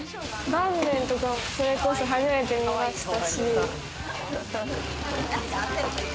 バンメンとかも、それこそ初めて見ましたし。